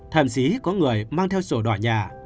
thậm chí có người mang theo sổ đỏ nhà